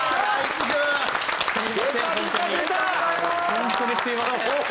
本当にすみません。